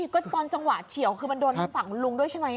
ก็ตอนจังหวะเฉียวคือมันโดนทางฝั่งลุงด้วยใช่ไหม